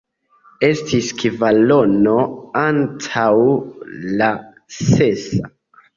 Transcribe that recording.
Estis kvarono antaŭ la sesa.